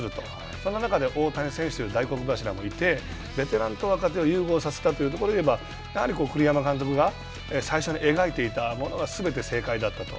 その中で大谷選手大黒柱もいてベテランと若手を融合させたというところで、やはり栗山監督が最初に描いていたものがすべて正解だったと。